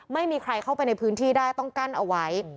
ไม่มีใครเข้าไปในพื้นที่ได้ต้องกั้นเอาไว้